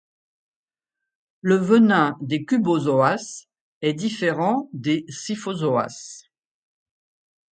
Le venin des cubozoas est différent des scyphozoas.